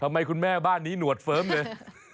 ทำไมบ้านนี้คุณแม่หนวดเฟิร์มเลย